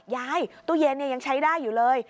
ยายตู้เย็นยังใช้ได้อยู่เลย